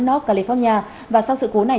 north california và sau sự cố này